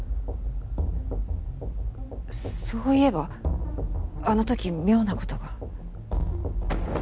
そういえばあの時妙なことが。